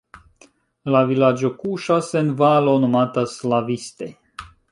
La vilaĝo kuŝas en valo nomata Slaviste.